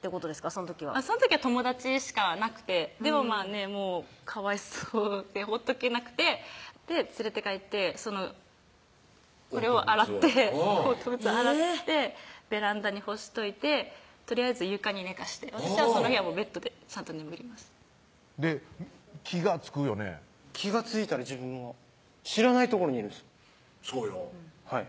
その時はその時は友達しかなくてでもかわいそうでほっとけなくて連れて帰ってそのこれを洗ってえぇっベランダに干しといてとりあえず床に寝かして私はその日はベッドでちゃんと眠りましたで気がつくよね気がついたら自分は知らない所にいるんですそうよ